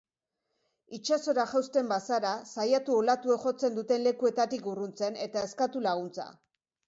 Itsasora jausten bazara, saiatu olatuek jotzen duten lekuetatik urruntzen eta eskatu laguntza.